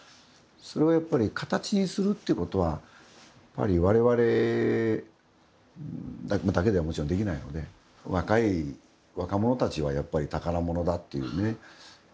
それはやっぱり形にするってことはわれわれだけではもちろんできないので若者たちはやっぱり宝物だっていうね